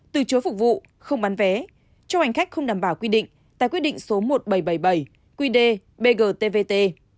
từ chối phục vụ không bán vé cho hành khách không đảm bảo quy định tài quyết định số một nghìn bảy trăm bảy mươi bảy quy đề bgtvt